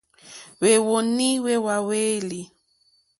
Hwéwónì hwé hwàlêlì.